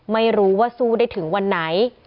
ไม่รู้ว่าสู้ได้ถึงวันไหน